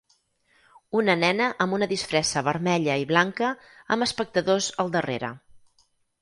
Una nena amb una disfressa vermella i blanca amb espectadors al darrere.